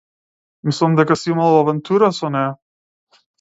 Мислам дека си имал авантура со неа.